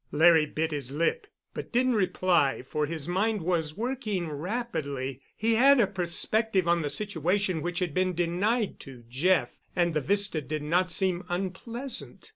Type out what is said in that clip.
Larry bit his lip, but didn't reply, for his mind was working rapidly. He had a perspective on the situation which had been denied to Jeff, and the vista did not seem unpleasant.